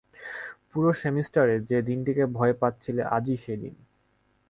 পুরো সেমিস্টারে যে দিনটিকে ভয় পাচ্ছিলে আজ-ই সেই দিন।